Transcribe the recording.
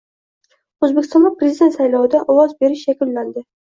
O‘zbekistonda prezident saylovida ovoz berish yakunlandi